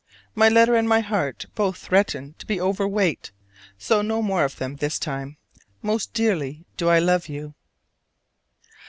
My letter and my heart both threaten to be over weight, so no more of them this time. Most dearly do I love you.